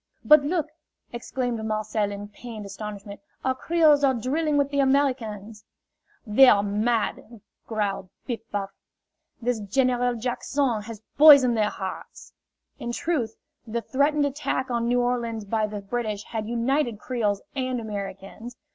"But, look!" exclaimed Marcel in pained astonishment, "our Creoles are drilling with the Americans!" "They are mad!" growled Piff Paff. "This General Jack son has poisoned their hearts." In truth, the threatened attack on New Orleans by the British had united Creoles and Americans.